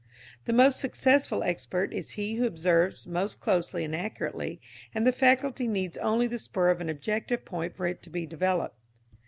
The most successful expert is he who observes most closely and accurately, and the faculty needs only the spur of an objective point for it to be developed.